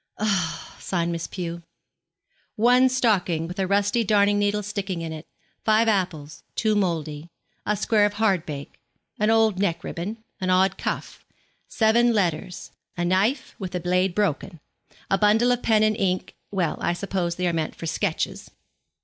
'Ah!' sighed Miss Pew. 'One stocking with a rusty darning needle sticking in it. Five apples, two mouldy. A square of hardbake. An old neck ribbon. An odd cuff. Seven letters. A knife, with the blade broken. A bundle of pen and ink well, I suppose they are meant for sketches.'